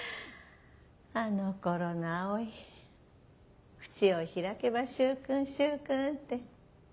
あの頃の葵口を開けば「柊君柊君」って。